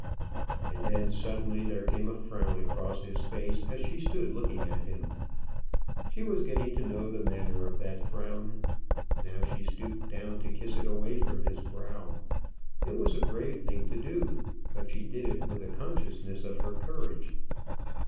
And then suddenly there came a frown across his face, as she stood looking at him. She was getting to know the manner of that frown. Now she stooped down to kiss it away from his brow. It was a brave thing to do; but she did it with a consciousness of her courage.